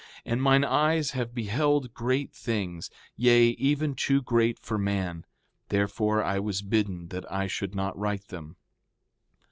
And mine eyes have beheld great things, yea, even too great for man; therefore I was bidden that I should not write them.